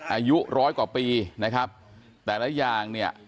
อายุร้อยกว่าปีนะครับแต่ละอย่างเนี่ย